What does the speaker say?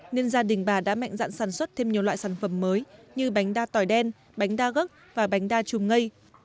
nên gia đình bà đã mạnh dạng sản xuất thêm nhiều loại sản phẩm mới như bánh đa tỏi đen bánh đa gấc và bánh đa chùm ngây